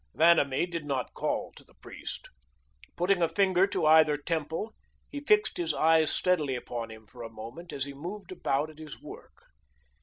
Vanamee did not call to the priest. Putting a finger to either temple, he fixed his eyes steadily upon him for a moment as he moved about at his work.